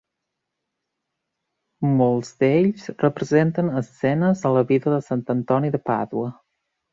Molts d'ells representen escenes de la vida de Sant Antoni de Pàdua.